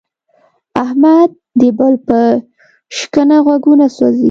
احمد د بل په شکنه غوږونه سوزي.